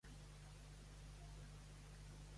Com autor, el seu nom es pronuncia Charles Romyn Dake.